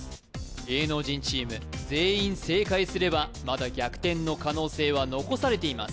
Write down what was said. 芸能人チーム全員正解すればまだ逆転の可能性は残されています